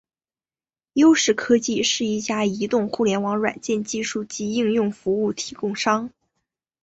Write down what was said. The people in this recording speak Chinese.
优视科技是一家移动互联网软件技术及应用服务提供商。